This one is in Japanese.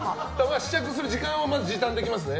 試着する時間を時短できますね。